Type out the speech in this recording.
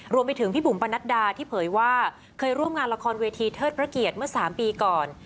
รวมไปถึงพี่บุ๋มปนัดดาที่เผยว่าเคยร่วมงานละครเวทีเทิดพระเกียรติเมื่อ๓ปีก่อน